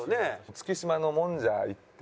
月島のもんじゃ行って。